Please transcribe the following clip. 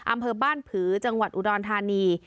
อำเภอบ้านผือจังหวัดอุดรธานี